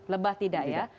lebah tidak ya